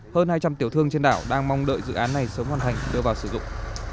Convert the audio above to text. hơn hai trăm linh tiểu thương trên đảo đang mong đợi dự án này sớm hoàn thành đưa vào sử dụng